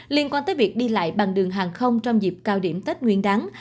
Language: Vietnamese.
liên quan tới việc đi lại bằng đường hàng không trong dịp cao điểm tết nguyên đáng